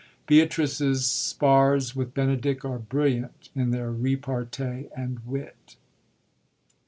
Beatrice's spars with Benedick are brilliant in their repartee and wit.